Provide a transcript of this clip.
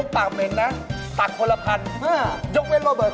ป๊าบเข้าให้